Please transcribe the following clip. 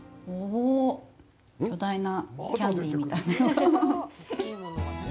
巨大なキャンディみたいな。